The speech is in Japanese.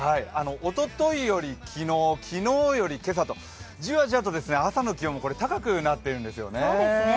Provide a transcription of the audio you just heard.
おとといより昨日、昨日より今朝と、じわじわと朝の気温が高くなってきているんですよね。